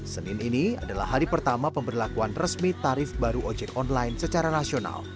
senin ini adalah hari pertama pemberlakuan resmi tarif baru ojek online secara nasional